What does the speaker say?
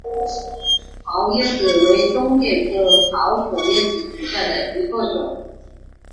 桃椰子为棕榈科桃果椰子属下的一个种。